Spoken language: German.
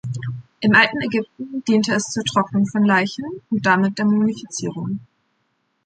Im alten Ägypten diente es zur Trocknung von Leichen und damit der Mumifizierung.